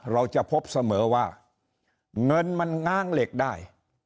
เราจะพบเสมอว่าเงินมันง้างเหล็กได้